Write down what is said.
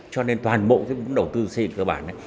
cho nên toàn bộ cái vũng đổ tư sẽ bị mất